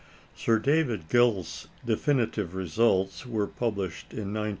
Sir David Gill's definitive results were published in 1900.